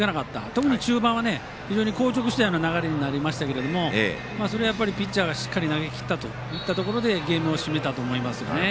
特に中盤は、非常にこう着したような流れになりましたがそれは、やっぱりピッチャーが投げきったというところがゲームを締めたと思います。